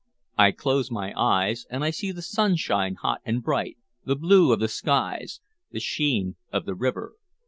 I close my eyes, and I see the sunshine hot and bright, the blue of the skies, the sheen of the river.